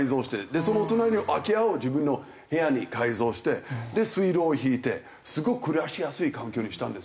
でその隣の空き家を自分の部屋に改造して水道を引いてすごく暮らしやすい環境にしたんですよ。